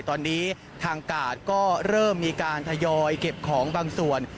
ตอนนี้ทางกาดก็เริ่มมีการทยอยเก็บของบางส่วน